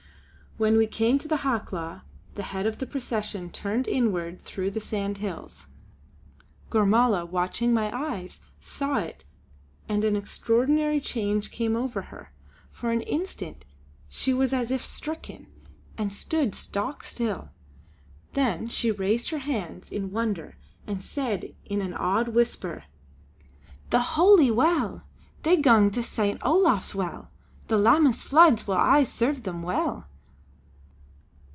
When we came to the Hawklaw, the head of the procession turned inward through the sandhills. Gormala, watching my eyes, saw it and an extraordinary change came over her. For an instant she was as if stricken, and stood stock still. Then she raised her hands in wonder, and said in an awed whisper: "The Holy Well! They gang to St. Olaf's well! The Lammas floods will aye serve them weel."